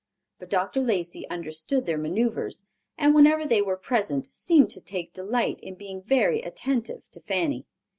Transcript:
But Dr. Lacey understood their maneuvers, and whenever they were present seemed to take delight in being very attentive to Fanny.